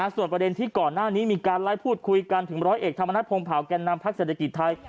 ส่วนประเด็นที่ก่อนหน้านี้มีการไลฟ์พูดคุยกันถึงร้อยเอกธรรมนัฐพงศาวแก่นนำพักเศรษฐกิจไทย